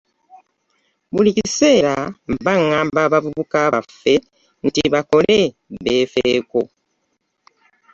Buli kiseera mba ng’amba abavubuka baffe nti bakole beefeeko.